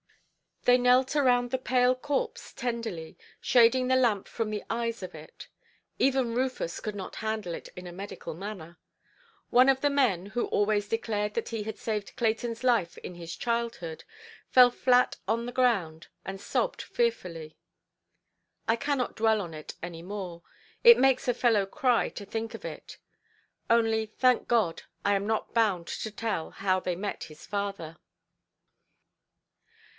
They knelt around the pale corpse tenderly, shading the lamp from the eyes of it; even Rufus could not handle it in a medical manner. One of the men, who always declared that he had saved Claytonʼs life in his childhood, fell flat on the ground, and sobbed fearfully. I cannot dwell on it any more; it makes a fellow cry to think of it. Only, thank God, that I am not bound to tell how they met his father.